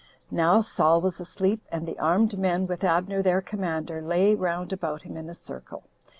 Now Saul was asleep, and the armed men, with Abner their commander, lay round about him in a circle.